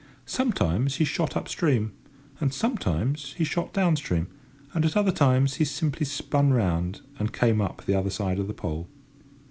Sometimes he shot up stream and sometimes he shot down stream, and at other times he simply spun round and came up the other side of the pole.